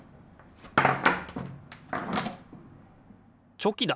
チョキだ！